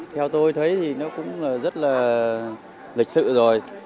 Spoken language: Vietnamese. theo tôi thấy thì nó cũng rất là lịch sự rồi